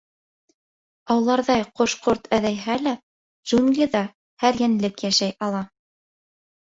Ауларҙай ҡош-ҡорт әҙәйһә лә, джунглиҙа һәр йәнлек йәшәй ала.